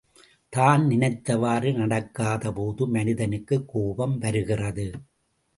தான் நினைத்தவாறு நடக்காதபோது மனிதனுக்குக் கோபம் வருகிறது.